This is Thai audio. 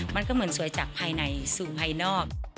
มันก็เหมือนสวยจากภายในสู่ภายนอก